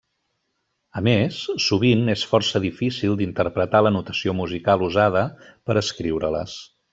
A més, sovint és força difícil d'interpretar la notació musical usada per escriure-les.